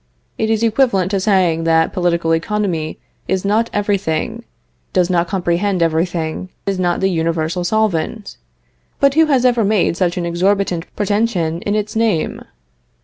It is equivalent to saying that political economy is not everything, does not comprehend everything, is not the universal solvent. But who has ever made such an exorbitant pretension in its name?